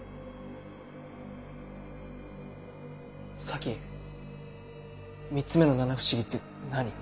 佐木３つ目の七不思議って何？